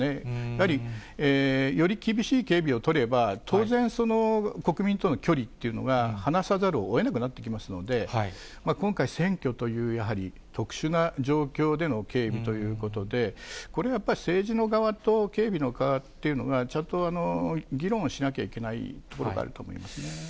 やはり、より厳しい警備を取れば、当然、国民との距離というのが離さざるをえなくなってきますので、今回、選挙というやはり、特殊な状況での警備ということで、これはやっぱり、政治の側と警備の側っていうのが、ちゃんと議論しなきゃいけないところがあると思いますね。